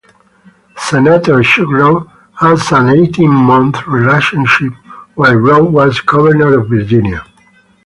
Senator Chuck Robb had an eighteen-month relationship while Robb was Governor of Virginia.